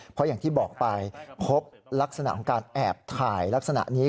เพราะอย่างที่บอกไปพบลักษณะของการแอบถ่ายลักษณะนี้